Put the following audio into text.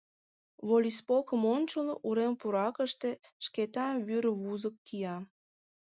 Волисполком ончылно, урем пуракыште, Шкетан вӱр вузык кия.